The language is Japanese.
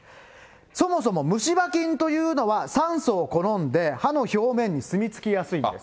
そもそも虫歯菌というのは、酸素を好んで、歯の表面の住み着きやすいんです。